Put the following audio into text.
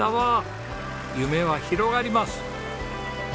夢は広がります！